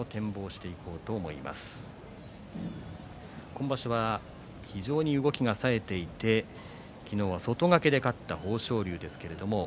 今場所は非常に動きがさえていて昨日、外掛けで勝った豊昇龍です。